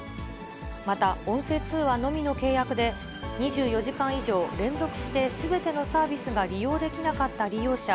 また、音声通話のみの契約で２４時間以上連続してすべてのサービスが利用できなかった利用者